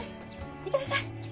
行ってらっしゃい。